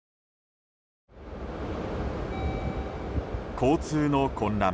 交通の混乱。